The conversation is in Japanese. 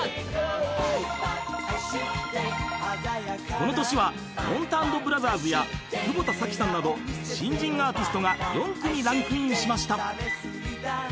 ［この年はもんた＆ブラザーズや久保田早紀さんなど新人アーティストが４組ランクインしました］